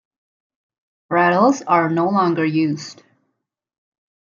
Rattles are no longer used.